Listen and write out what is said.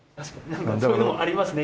なんかそういうのもありますね。